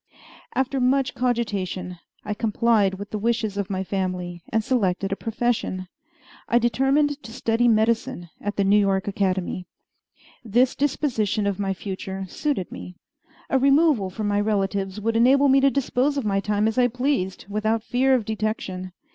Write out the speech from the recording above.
After much cogitation, I complied with the wishes of my family, and selected a profession. I determined to study medicine at the New York Academy. This disposition of my future suited me. A removal from my relatives would enable me to dispose of my time as I pleased without fear of detection.